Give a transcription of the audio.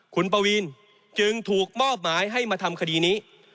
คุณปวีนจึงถูกมอบหมายให้มาทำคดีนี้